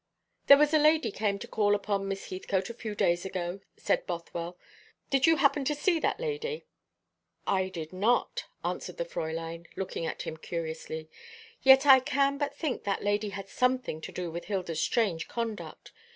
"There was a lady came to call upon Miss Heathcote a few days ago," said Bothwell. "Did you happen to see that lady?" "I did not," answered the Fräulein, looking at him curiously. "Yet I can but think that lady had something to do with Hilda's strange conduct.